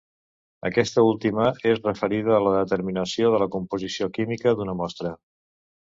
Aquesta última és referida a la determinació de la composició química d’una mostra.